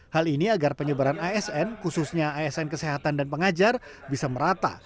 hal ini agar penyebaran asn khususnya asn kesehatan dan pengajar bisa merata